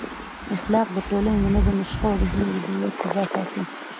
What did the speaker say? اخلاق د ټولنې د نظم، د شخړو د حل او د باور فضا ساتي.